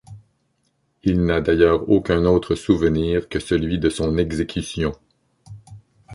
Il n'a d'ailleurs aucun autre souvenir que celui de son exécution.